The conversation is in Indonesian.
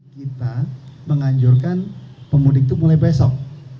kita menganjurkan pemudik itu mulai besok